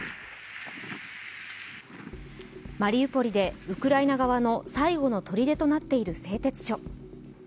マリウポリでウクライナ側の最後のとりでとなっている製鉄所。